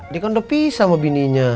dia kan udah pisah sama bininya